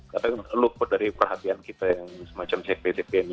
karena itu elupur dari perhatian kita yang semacam cptpn ini